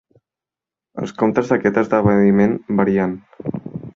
Els comptes d'aquest esdeveniment varien.